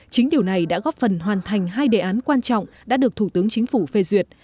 chính điều này đã góp phần hoàn thành hai đề án quan trọng đã được thủ tướng chính phủ phê duyệt